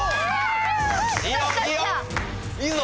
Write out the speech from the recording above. いいぞ！